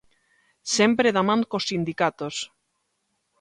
Sempre da man cos sindicatos.